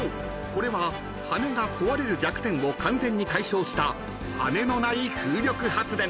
これは羽根が壊れる弱点を完全に解消した羽根のない風力発電］